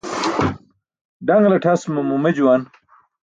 Ḍaṅltʰas mo mume juwan